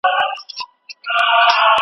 ښه کلسترول بدن ته ګټه رسوي.